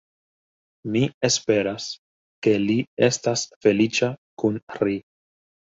Mi esperas ke li estas feliĉa kun ri.